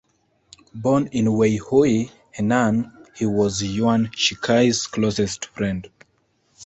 Born in Weihui, Henan, he was Yuan Shikai's closest friend.